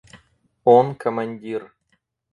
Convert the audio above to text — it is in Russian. – Он командир.